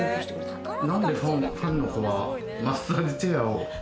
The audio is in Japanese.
何でファンの子がマッサージチェアを？